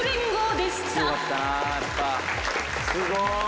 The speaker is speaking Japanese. すごい。